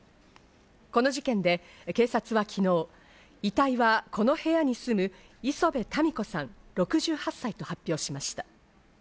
この事件で警察は昨日、遺体はこの部屋に住む礒辺たみ子さん、６８歳と発表しました。